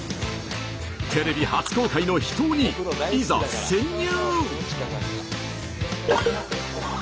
テレビ初公開の秘湯にいざ潜入！